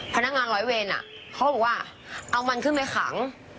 พนักงานร้อยเวรเขาบอกว่าเอามันขึ้นไปขัง